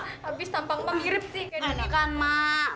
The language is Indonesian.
tapi tampaknya mirip sih kayak gini kan mak